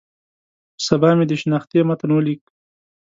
په سبا مې د شنختې متن ولیک.